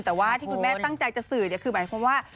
แต่ว่าที่คุณแม่ตั้งใจจะสื่อคือหมายความว่า